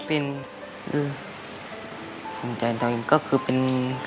เป็นภูมิใจตัวเองก็คือเป็น